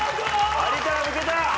有田が抜けた。